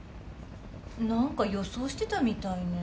なんか予想してたみたいね。